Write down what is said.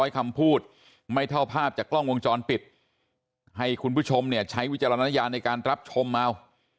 คำพูดไม่เท่าภาพจากกล้องวงจรปิดให้คุณผู้ชมเนี่ยใช้วิจารณญาณในการรับชมเอา